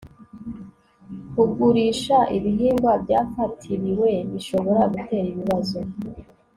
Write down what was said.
kugurisha ibihingwa byafatiriwe bishobora gutera ibibazo